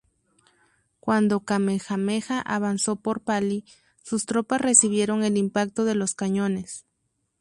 Cuando Kamehameha avanzó por Pali, sus tropas recibieron el impacto de los cañones.